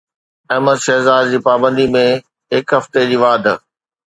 احمد شهزاد جي پابندي ۾ هڪ هفتي جي واڌ